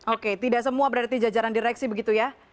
oke tidak semua berada di jajaran direksi begitu ya